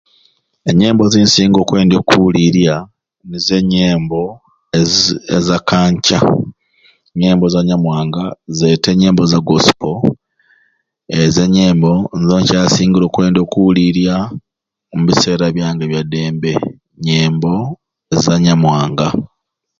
Enyembo zensinga okwendya okuwulirya nizo enyembo eza kanca enyembo zanyamwanga zeta enyembo za gospel ezo enyembo nizo nkyasingire okuwuliryaobiseera byange abyadembe nyembo zanyamwanga.